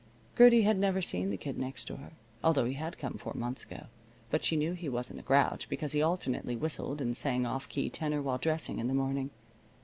Gertie had never seen the Kid Next Door, although he had come four months ago. But she knew he wasn't a grouch, because he alternately whistled and sang off key tenor while dressing in the morning.